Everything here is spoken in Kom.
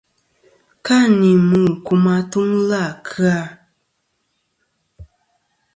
Ka ni mu kum atuŋlɨ à kɨ-a.